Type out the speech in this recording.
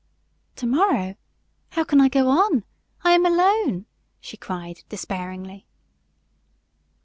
"To morrow? How can I go on? I am alone," she cried, despairingly.